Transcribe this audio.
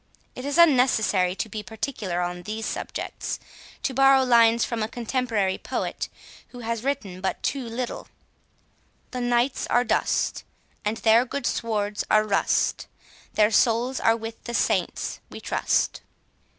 It is unnecessary to be particular on these subjects. To borrow lines from a contemporary poet, who has written but too little: "The knights are dust, And their good swords are rust, Their souls are with the saints, we trust."